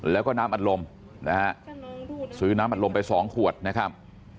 แล้วก็น้ำอัดลมนะฮะซื้อน้ำอัดลมไป๒ขวดนะครับ